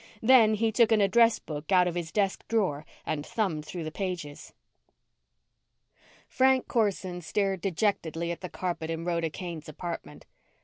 Then he took an address book out of his desk drawer and thumbed through the pages. Frank Corson stared dejectedly at the carpet in Rhoda Kane's apartment.